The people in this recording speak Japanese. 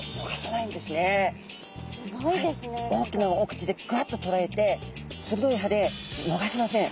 大きなお口でグワッととらえて鋭い歯で逃しません。